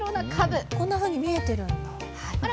こんなふうに見えてるんだ。